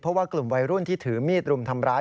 เพราะว่ากลุ่มวัยรุ่นที่ถือมีดรุมทำร้าย